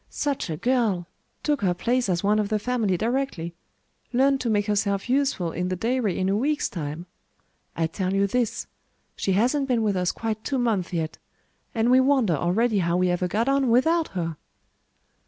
Such a girl! Took her place as one of the family directly. Learned to make herself useful in the dairy in a week's time. I tell you this she hasn't been with us quite two months yet, and we wonder already how we ever got on without her!"